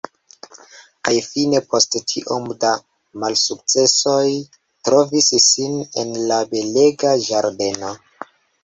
Kaj fine post tiom da malsukcesoj trovis sin en la belega ĝardeno.